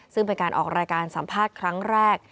ซึ่งเป็นการออกรายการสัมภาษณ์ครั้งแรก